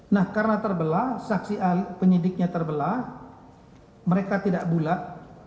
nah karena terbelah saksi penyidiknya terbelah mereka tidak bulat